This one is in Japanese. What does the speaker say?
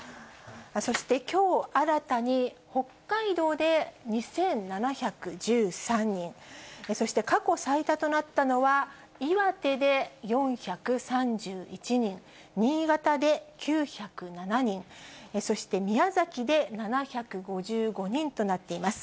そしてきょう新たに北海道で２７１３人、そして、過去最多となったのは、岩手で４３１人、新潟で９０７人、そして、宮崎で７５５人となっています。